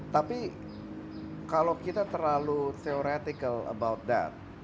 tapi kalau kita terlalu theoretical about that